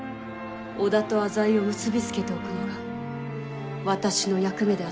織田と浅井を結び付けておくのが私の役目であったのに。